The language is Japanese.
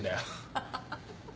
ハハハ。